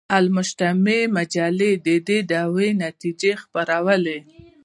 المجتمع مجلې د دې دعوې نتیجې خپرولې.